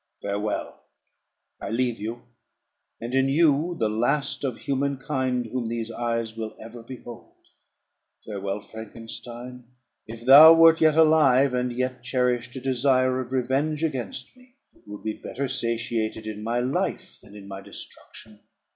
"Farewell! I leave you, and in you the last of human kind whom these eyes will ever behold. Farewell, Frankenstein! If thou wert yet alive, and yet cherished a desire of revenge against me, it would be better satiated in my life than in my destruction.